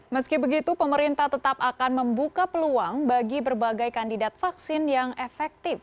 meski begitu pemerintah tetap akan membuka peluang bagi berbagai kandidat vaksin yang efektif